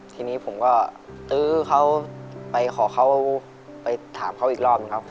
ทีนี้ผมก็ตื้อเขาไปขอเขาไปถามเขาอีกรอบหนึ่งครับ